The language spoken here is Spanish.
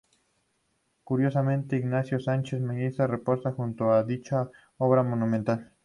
Curiosamente, Ignacio Sánchez Mejías reposa junto a dicha obra monumental.